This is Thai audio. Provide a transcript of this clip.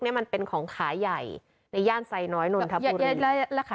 เนี้ยมันเป็นของขาใหญ่ในย่านไซน้อยนทัพปูรีแล้วขา